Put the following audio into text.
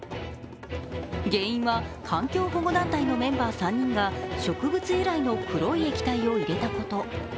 原因は、環境保護団体のメンバー３人が植物由来の黒い液体を入れたこと。